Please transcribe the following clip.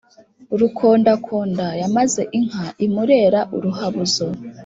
Rukondakonda yamaze inka i Murera-Uruhabuzo.